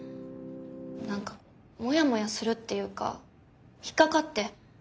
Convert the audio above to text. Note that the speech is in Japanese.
何かモヤモヤするっていうか引っ掛かってプロポーズの言葉。